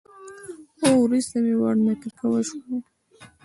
خو وروسته مې ورنه کرکه وسوه.